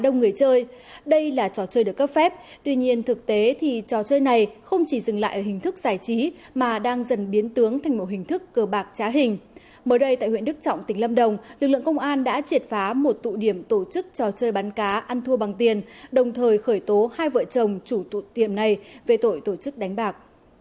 mới đây tại huyện đức trọng tỉnh lâm đồng lực lượng công an đã triệt phá một tụ điểm tổ chức cho chơi bắn cá ăn thua bằng tiền đồng thời khởi tố hai vợ chồng chủ tụ tiệm này về tội tổ chức đánh bạc